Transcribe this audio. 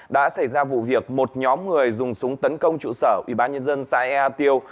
đã xảy ra vụ việc một nhóm người dùng súng tấn công trụ sở ủy ban nhân dân giã ea tiêu